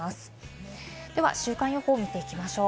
では週間予報を見ていきましょう。